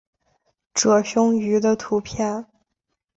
褶胸鱼的图片